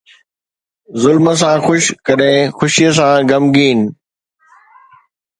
ظلم سان خوش، ڪڏهن خوشي سان غمگين